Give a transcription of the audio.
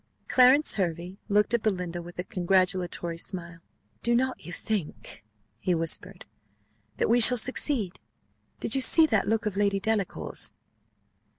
Clarence Hervey looked at Belinda with a congratulatory smile: "do not you think," whispered he, "that we shall succeed? Did you see that look of Lady Delacour's?"